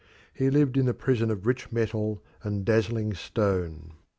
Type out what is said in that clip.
He lived in a prison of rich metal and dazzling stone.